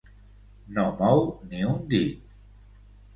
No mou ni un dit.